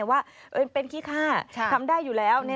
ว่าเป็นขี้ฆ่าทำได้อยู่แล้ว